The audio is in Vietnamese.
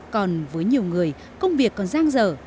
còn với nhiều người công việc còn giang dở